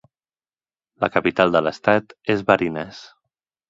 La capital de l'estat és Barinas.